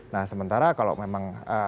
nah sementara kalau memang